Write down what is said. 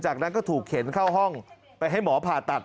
จากนั้นก็ถูกเข็นเข้าห้องไปให้หมอผ่าตัด